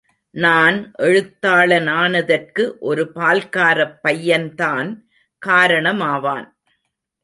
நான் எழுத்தாளனானதற்கு ஒரு பால்காரப் பையன்தான் காரணமாவான்.